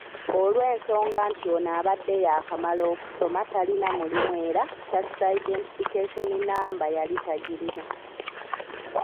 Olw'ensonga nti ono abadde yaakamala okusoma talina mulimu era Tax Identification Namba yali tagirina.